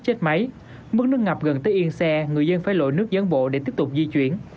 chết máy mức nước ngập gần tới yên xe người dân phải lội nước gián bộ để tiếp tục di chuyển